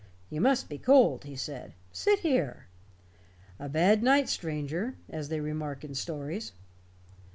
"You must be cold," he said. "Sit here. 'A bad night, stranger' as they remark in stories."